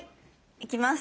いきます。